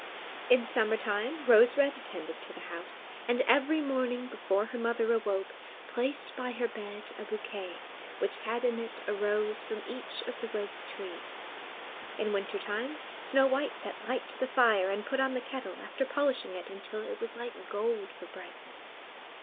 In summer time Rose Red attended to the house, and every morning, before her mother awoke, placed by her bed a bouquet which had in it a rose from each of the rose trees. In winter time Snow White set light to the fire, and put on the kettle, after polishing it until it was like gold for brightness.